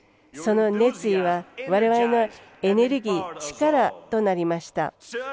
その熱意は、われわれのエネルギー、力となりました。